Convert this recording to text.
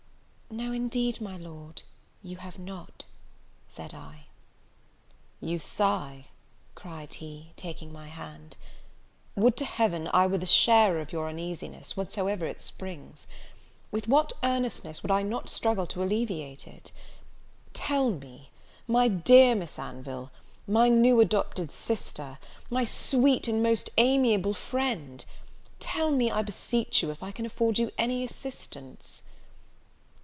"No, indeed, my Lord, you have not," said I. "You sigh!" cried he, taking my hand, "would to Heaven I were the sharer of your uneasiness, whencesoever it springs! with what earnestness would I not struggle to alleviate it! Tell me, my dear Miss Anville, my new adopted sister, my sweet and most amiable friend! tell me, I beseech you, if I can afford you any assistance?"